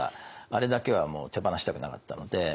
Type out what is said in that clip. あれだけはもう手放したくなかったので。